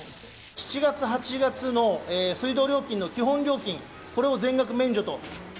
７月、８月の水道料金の基本料金、これを全額免除と。